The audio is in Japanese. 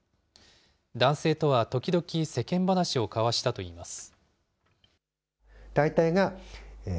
男性とは時々、世間話を交わしたといいます。